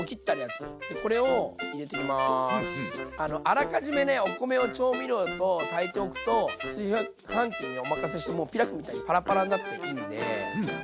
あらかじめねお米を調味料と炊いておくと炊飯器にお任せしてもうピラフみたいにパラパラになっていいんで。